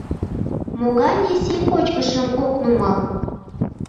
Могане сий-кочкышым ок нумал?